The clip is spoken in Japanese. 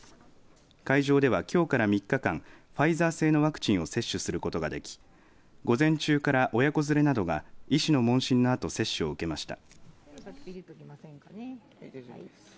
会場では、きょうから３日間、ファイザー製のワクチンを接種することができ午前中から親子連れなどが医師の問診のあと接種を受けました。